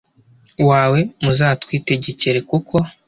wawe muzatwitegekere kuko